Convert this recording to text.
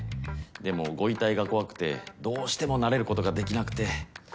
でもご遺体が怖くてどうしても慣れることができなくて。